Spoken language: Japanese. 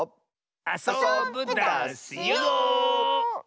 あそぶダスよ！